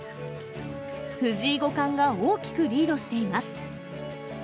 藤井五冠が大きくリードしています。